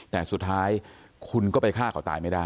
แต่สุดท้ายคุณก็ไปฆ่าเขาตายไม่ได้